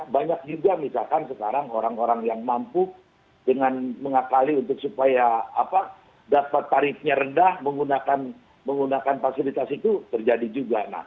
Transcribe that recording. banyak juga misalkan sekarang orang orang yang mampu dengan mengakali untuk supaya dapat tarifnya rendah menggunakan fasilitas itu terjadi juga